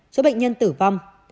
số bệnh nhân tử vong